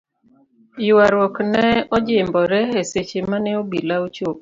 Yuaruok ne ojimbore e seche mane obila ochopo.